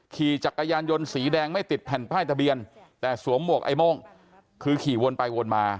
ขี่จักรยานยนต์สีแดงไม่ติดแผ่นป้ายทะเบียนแต่สวมหมวกไอ้โม่งคือขี่วนไปวนมา